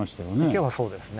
池はそうですね。